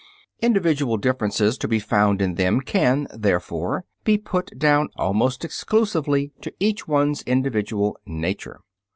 Individual differences to be found in them can, therefore, be put down almost exclusively to each one's individual "nature."